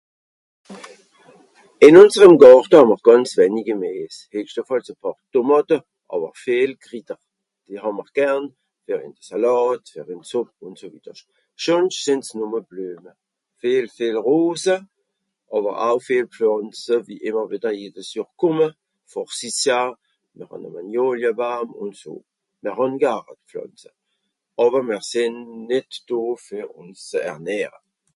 Ìn ùnserem Gàrte hàà'mr gànz wenni Gemìes. (...) e pààr Tomàte àwer vìel (...). Die hàà'mr gern fer ìn d'Sàlàt, fer ìn d'Sùpp, ùn so wittersch. Schùnsch sìnn's nùmme Blüeme. vìel, vìel Rose, àwer au vìel Pflànze, wie ìmmer wìdder jedes Johr kùmme Forsythia, mìr hàn e Màgnolebaum, ùn so. Mìr hàn gare Pflànze, àwer se sìnn nìt do fer ùns ze ernähre.